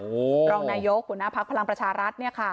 โหรองนายกบุญนาภักดิ์พลังประชารัฐสัมภาษณ์นี่ค่ะ